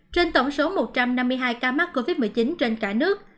trên tổng số một trăm năm mươi hai ca mắc covid một mươi chín trên cả nước